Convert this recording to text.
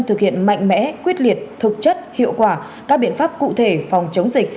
thực hiện mạnh mẽ quyết liệt thực chất hiệu quả các biện pháp cụ thể phòng chống dịch